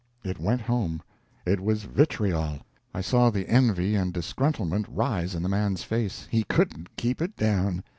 It went home! It was vitriol! I saw the envy and disgruntlement rise in the man's face; he couldn't keep it down.